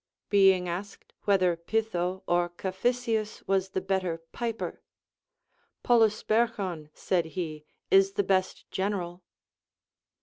Being asked whether Pytho or Caphisius Avas the better piper, Polysperchon, said he, is the best general.